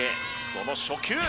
その初球！